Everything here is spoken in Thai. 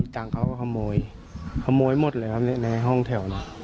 ตังค์เขาก็ขโมยขโมยหมดเลยครับในห้องแถวนั้น